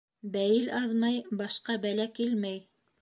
Бәйел аҙмай башҡа бәлә килмәй.